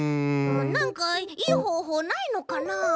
なんかいいほうほうないのかな？